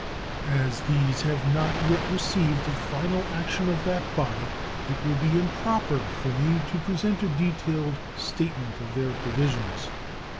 As these have not yet received the final action of that body, it would be improper for me to present a detailed statement of their provisions.